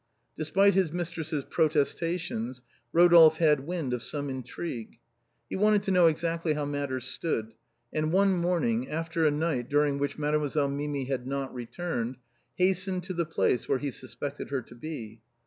Despite his mistress's protestations, Rodolphe had wind of some intrigue. He wanted to know exactly how matters stood, and one morning, after a night during which Made moiselle Mimi had not returned, hastened to the place where he suspected her to be.